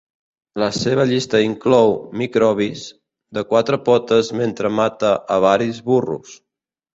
La seva llista inclou "microbis" de quatre potes mentre mata a varis burros.